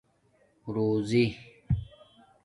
روزݵ